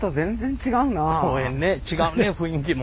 違うね雰囲気も。